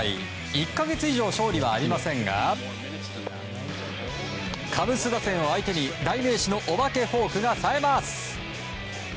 １か月以上勝利はありませんがカブス打線を相手に、代名詞のお化けフォークがさえます。